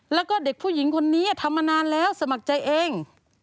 แล้วก็เด็กผู้หญิงคนนี้ทำมานานแล้วสมัครใจเอง